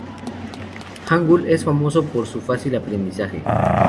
Hangul es famoso por su fácil aprendizaje.